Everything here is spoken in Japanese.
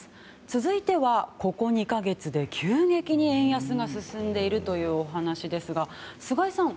続いては、ここ２か月で急激に円安が進んでいるというお話ですが、菅井さん